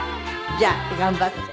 じゃあ頑張って。